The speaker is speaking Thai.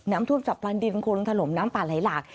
น้ำท่วมจับปลานดินคนถล่มน้ำป่าไหลหลาก